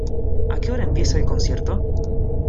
¿A qué hora empieza el concierto?